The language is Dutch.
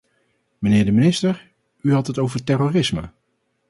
Mijnheer de minister, u had het over terrorisme.